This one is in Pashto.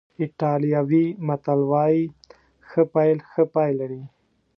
ایټالوي متل وایي ښه پیل ښه پای لري.